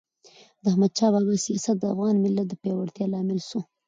د احمد شاه بابا سیاست د افغان ملت د پیاوړتیا لامل سو.